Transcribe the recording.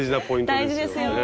大事ですよ。